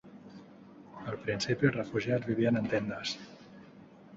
Al principi, els refugiats vivien en tendes.